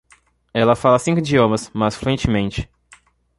Ela fala cinco idiomas, mas fluentemente.